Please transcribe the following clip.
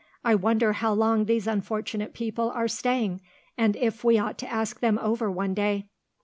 I wonder how long these unfortunate people are staying, and if we ought to ask them over one day?"